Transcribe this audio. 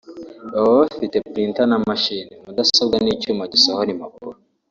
Baba bafite Printer na machine (Mudasobwa n’icyuma gisohora impapuro)